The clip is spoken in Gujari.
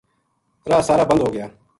راہ سارا بند ہو گیا